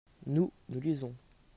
nous, nous lisons.